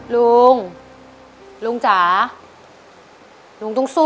ลุงลุงจ๋าลุงต้องสู้